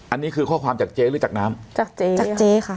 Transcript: อันนี้คือข้อความจากเจ๊หรือจากน้ำจากเจ๊จากเจ๊ค่ะ